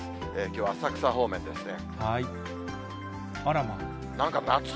きょう、浅草方面ですね。